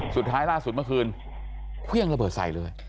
สุดท้ายล่าสุดเมื่อคืนเครื่องระเบิดใส่เลย